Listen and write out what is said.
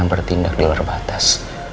anak bertindak di luar batas